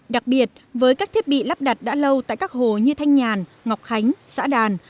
đặc biệt với các thiết bị lắp đặt đã lâu tại các hồ như thanh nhàn ngọc khánh xã đàn